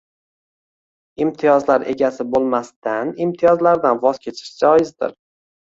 Imtiyozlar egasi bo'lmasdan, imtiyozlardan voz kechish joizdir